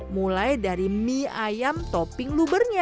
mulai dari mie ayam topping lubernya